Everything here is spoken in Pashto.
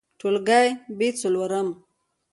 ټولګى : ب څلورم